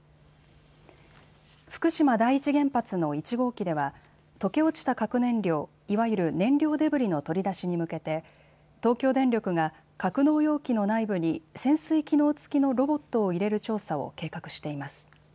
福島第一原発の１号機では溶け落ちた核燃料いわゆる燃料デブリの取り出しに向けて東京電力が格納容器の内部に潜水機能付きのロボットを入れる調査を計画しています。